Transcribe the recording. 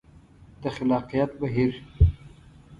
د خلاقیت بهیر